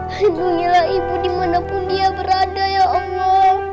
hubungilah ibu dimanapun dia berada ya allah